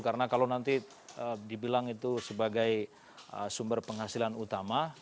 karena kalau nanti dibilang itu sebagai sumber penghasilan utama